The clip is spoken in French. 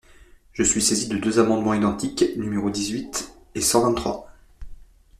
Je suis saisi de deux amendements identiques, numéros dix-huit et cent vingt-trois.